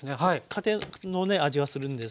家庭のね味がするんですが。